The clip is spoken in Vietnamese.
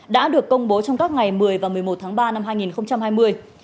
đã được công bố trong các ngày một mươi và một mươi một tháng ba năm hai nghìn hai mươi